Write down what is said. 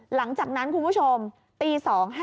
หลังจากนั้นคุณผู้ชมตี๒๕